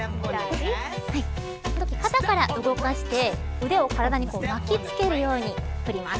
肩から動かして腕を体に巻きつけるように振ります。